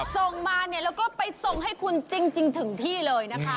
ส่งมาเนี่ยแล้วก็ไปส่งให้คุณจริงถึงที่เลยนะคะ